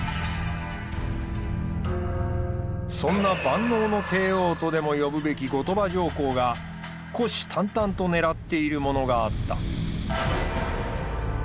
そんな万能の帝王とでも呼ぶべき後鳥羽上皇が虎視眈々と狙っているものがあった。